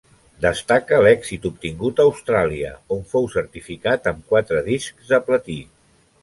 Destaca l'èxit obtingut a Austràlia on fou certificat amb quatre discs de platí.